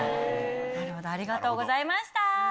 なるほどありがとうございました。